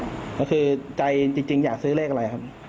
ก็คือใจจริงอยากซื้อเลขอะไรครับ